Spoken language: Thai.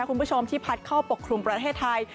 ยังคงเป็นหย่อมความร้อนที่พัดเข้าปกครุมประเทศไทย